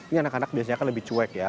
ini anak anak biasanya kan lebih cuek ya